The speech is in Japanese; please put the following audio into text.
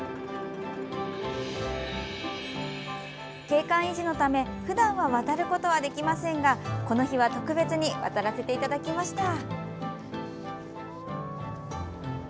景観維持のためふだんは渡ることはできませんがこの日は特別に渡らせていただきました。